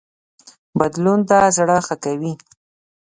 بدلون ته زړه ښه کوي